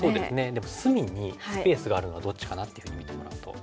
でも隅にスペースがあるのはどっちかなってふうに見てもらうと。